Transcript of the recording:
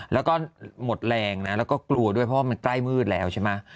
แล้วก็หมดแรงนะแล้วก็กลัวด้วยเพราะว่ามันใกล้มืดแล้วใช่ไหม